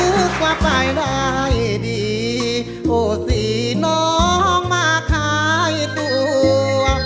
กว่าไปได้ดีโหสิน้องมาขายตัว